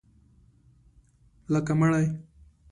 لکه مړی